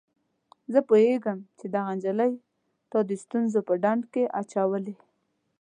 زه پوهیږم چي دغه نجلۍ تا د ستونزو په ډنډ کي اچولی.